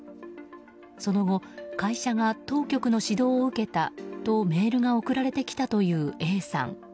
その後会社が当局の指導を受けたとメールが送られてきたというＡさん。